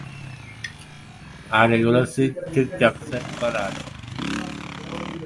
আর এগুলো ঠিকঠাক সেট করা আছে।